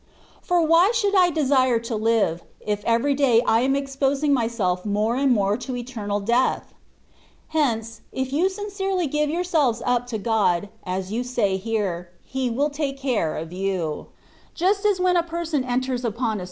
For why should I desire to live, if every day I am exposing myself more and more to eternal death? Hence, if you sdnc^ely give yourselves up to God, as you say here. He will take care of youv Just lus when a person enters upon a 172 THE WAY OF PERFECTION.